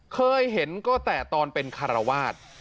เคยเห็นก็แต่ตอนเป็นคารวาส